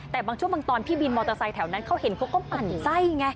แต่บางช่วงบางตอนพี่บินมอเตอร์ไซค์แถวนั้นเขาเห็นเขาก็ปั่นไส้ไง